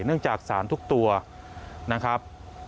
เนื่องจากสารทุกตัวนะครับ